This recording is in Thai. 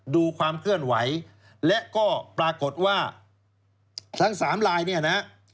ดูความเคลื่อนไหวและก็ปรากฏว่าทั้งสามลายเนี่ยนะฮะ